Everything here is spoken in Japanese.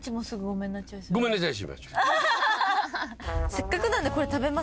せっかくなんで。